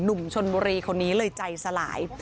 หนุ่มชนบุรีคนนี้เลยใจสลาย